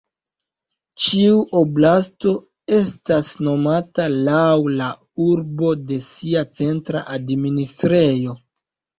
Ĉiu "oblast"o estas nomata laŭ la urbo de sia centra administrejo.